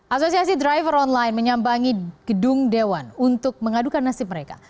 asosiasi driver online menyambangi gedung dewan untuk mengadukan nasib mereka